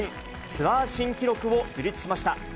ツアー新記録を樹立しました。